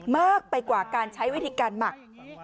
มากไปกว่าการใช้วิธีการหมัก